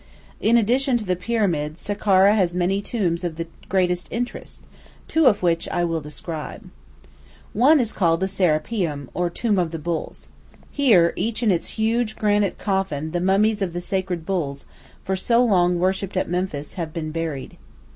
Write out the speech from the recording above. In addition to the pyramids, Sakkara has many tombs of the greatest interest, two of which I will describe. One is called the "Serapeum," or tomb of the bulls. Here, each in its huge granite coffin, the mummies of the sacred bulls, for so long worshipped at Memphis, have been buried.